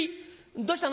どうしたの？